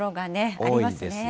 多いですね。